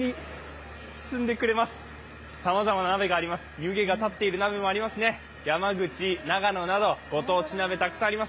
湯気が立っている鍋もあります。